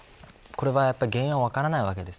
原因は分からないわけです。